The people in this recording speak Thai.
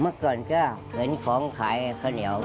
เมื่อก่อนก็เหมือนของขายข้าวเหนียว